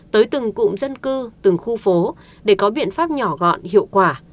tới từng cụm dân cư từng khu phố để có biện pháp nhỏ gọn hiệu quả